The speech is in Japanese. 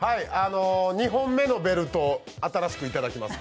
２本目のベルトを新しく頂きます。